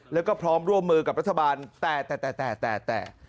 แล้วก็พร้อมร่วมมือกับรัฐบาลแต่แต่แต่แต่แต่